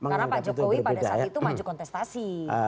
karena pak jokowi pada saat itu maju kontestasi